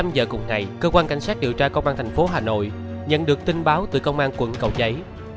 một mươi giờ cùng ngày cơ quan cảnh sát điều tra công an thành phố hà nội nhận được tin báo từ công an quận cầu giấy